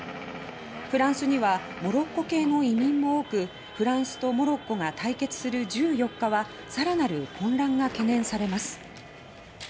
フランスにはモロッコ系の移民も多くフランスとモロッコが対決する１４日は更なる混乱が懸念されます。